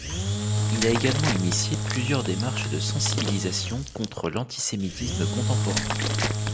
Il a également initié plusieurs démarches de sensibilisation contre l'antisémitisme contemporain.